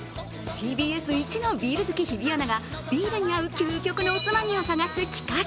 ＴＢＳいちのビール好き日比アナがビールに合う究極のおつまみを探す企画。